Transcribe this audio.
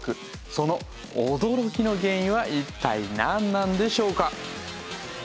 その驚きの原因は一体なんなんでしょうか？